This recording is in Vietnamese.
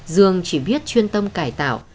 dương chỉ biết chuyên tâm cải tạo